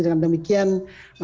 dengan demikian masyarakat